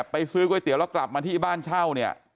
ไปซื้อก๋วยเตี๋ยวแล้วกลับมาที่บ้านเช่าเนี่ย